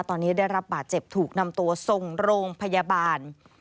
ตอนนี้ได้รับบาดเจ็บถูกนำตัวส่งโรงพยาบาล